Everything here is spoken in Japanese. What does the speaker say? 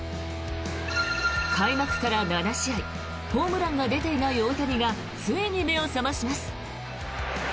開幕から７試合ホームランが出ていない大谷がついに目を覚まします。